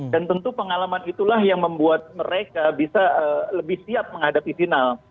dan tentu pengalaman itulah yang membuat mereka bisa lebih siap menghadapi final